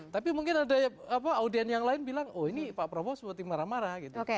tapi mungkin ada audien yang lain bilang oh ini pak prabowo seperti marah marah gitu